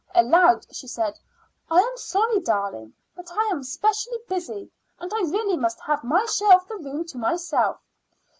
Aloud she said: "I am sorry, darling, but I am specially busy, and I really must have my share of the room to myself."